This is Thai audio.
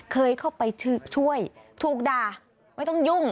เคยเข้าไปช่วยถูกด่าไม่ต้องยุ่ง